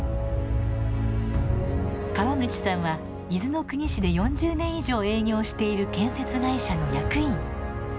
川口さんは、伊豆の国市で４０年以上営業している建設会社の役員。